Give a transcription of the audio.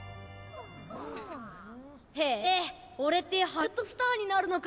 へぇ俺ってハリウッドスターになるのか。